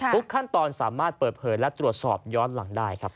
ขั้นตอนสามารถเปิดเผยและตรวจสอบย้อนหลังได้ครับ